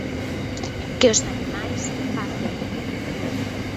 Que os animais pacen.